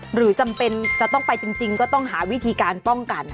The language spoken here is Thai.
หรือจำเป็นจะต้องไปจริงก็ต้องหาวิธีการป้องกัน